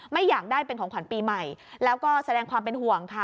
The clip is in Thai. ไม่อยากได้เป็นของขวัญปีใหม่แล้วก็แสดงความเป็นห่วงค่ะ